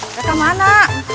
ada ke mana